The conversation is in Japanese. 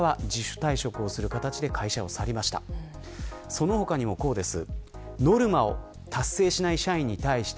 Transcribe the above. その他にも、こうです。